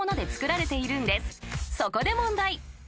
［そこで問題］